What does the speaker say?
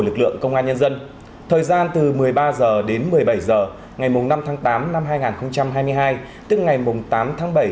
lực lượng công an nhân dân thời gian từ một mươi ba h đến một mươi bảy h ngày năm tháng tám năm hai nghìn hai mươi hai tức ngày tám tháng bảy